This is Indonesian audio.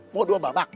mau dua babak